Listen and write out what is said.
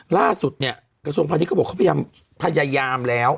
ล่าสุดเนี่ยกระทรวงภัณฑ์นี้เขาพยายามแล้ว